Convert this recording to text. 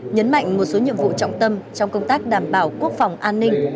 nhấn mạnh một số nhiệm vụ trọng tâm trong công tác đảm bảo quốc phòng an ninh